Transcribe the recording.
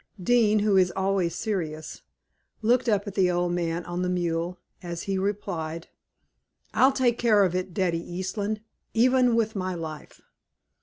"Dean, who is always serious, looked up at the old man on the mule as he replied: 'I'll take care of it, Daddy Eastland, even with my life.'